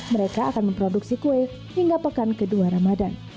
mereka akan memproduksi kue hingga pekan kedua ramadan